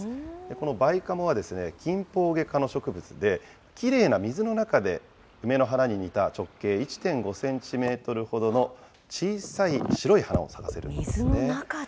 このバイカモは、キンポウゲ科の植物で、きれいな水の中で、梅の花に似た直径１．５センチメートルほどの小さい白い花を咲か水の中で。